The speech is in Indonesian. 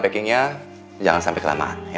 packingnya jangan sampai kelamaan